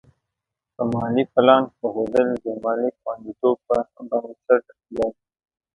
په مالي پلان پوهېدل د مالي خوندیتوب بنسټ دی.